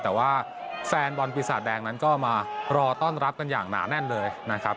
แต่ว่าแฟนบอลปีศาจแดงนั้นก็มารอต้อนรับกันอย่างหนาแน่นเลยนะครับ